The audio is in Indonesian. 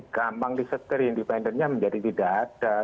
gampang disetir independennya menjadi tidak ada